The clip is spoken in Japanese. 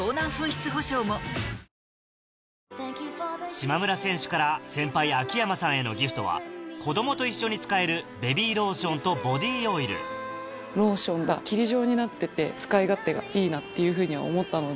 島村選手から先輩秋山さんへのギフトは子どもと一緒に使えるローションが霧状になってて使い勝手がいいなっていうふうに思ったので。